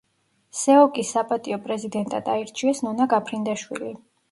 სეოკ-ის საპატიო პრეზიდენტად აირჩიეს ნონა გაფრინდაშვილი.